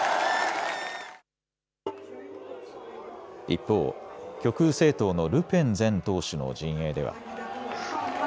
一方、極右政党のルペン前党首の陣営では。